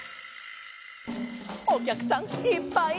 「おきゃくさんいっぱいや」